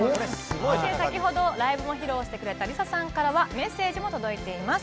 先ほどライブも披露してくれたＬｉＳＡさんからはメッセージも届いています。